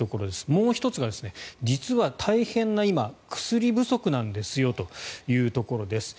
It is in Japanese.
もう１つが実は大変な今、薬不足なんですよというところです。